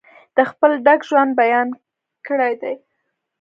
د خپل ډک ژوند بیان کړی دی.